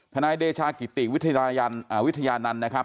นายเดชากิติวิทยานันต์นะครับ